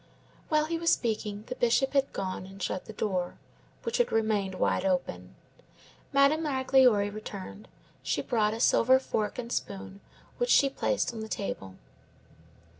While he was speaking, the Bishop had gone and shut the door, which had remained wide open. Madame Magloire returned. She brought a silver fork and spoon, which she placed on the table.